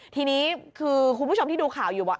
ทีนี้คือคุณผู้ชมที่ดูข่าวอยู่ว่า